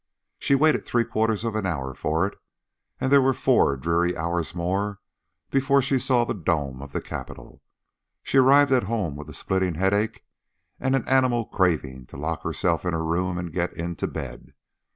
She waited three quarters of an hour for it, and there were four dreary hours more before she saw the dome of the Capitol. She arrived at home with a splitting headache and an animal craving to lock herself in her room and get into bed.